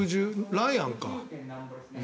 ライアン？